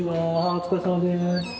お疲れさまです。